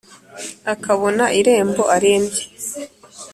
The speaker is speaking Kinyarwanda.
akabona irembo arembye